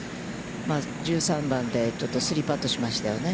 １３番で３パットしましたよね。